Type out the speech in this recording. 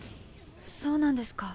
そうなんですか。